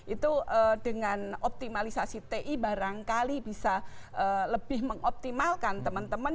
itu dengan optimalisasi ti barangkali bisa lebih mengoptimalkan teman teman